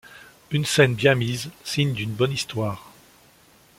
Une scène bien mise, signe d’une bonne histoire.